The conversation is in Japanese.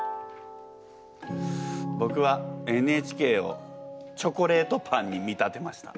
ぼくは「ＮＨＫ」をチョコレートパンに見立てました。